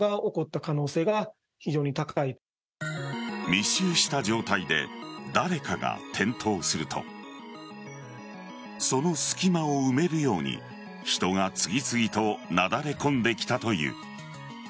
密集した状態で誰かが転倒するとその隙間を埋めるように人が次々となだれ込んできたという。